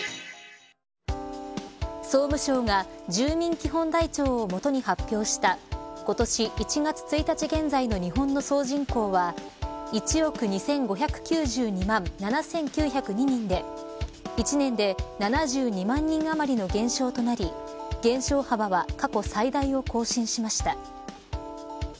総務省が住民基本台帳を元に発表した今年１月１日現在の日本の総人口は１億２５９２万７９０２人で１年で７２万人余りの減少となり減少幅は過去最大を更新しました。